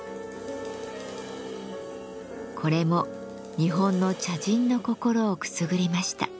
これも日本の茶人の心をくすぐりました。